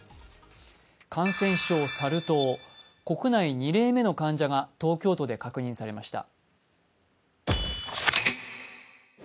感染症、サル痘、国内２例目の患者が東京都で確認されました。